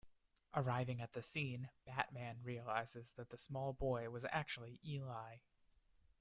Arriving at the scene, Batman realizes that the small boy was actually Eli.